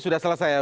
sudah selesai ya